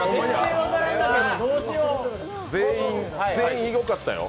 全員良かったよ。